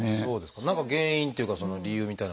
何か原因っていうかその理由みたいなのっていうのは。